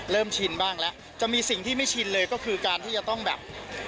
ชินบ้างแล้วจะมีสิ่งที่ไม่ชินเลยก็คือการที่จะต้องแบบ